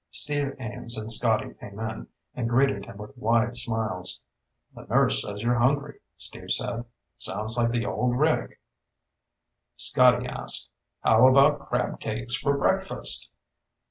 Steve Ames and Scotty came in and greeted him with wide smiles. "The nurse says you're hungry," Steve said. "Sounds like the old Rick." Scotty asked, "How about crab cakes for breakfast?"